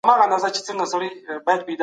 دا لاره تر هغې بلې اوږده ده.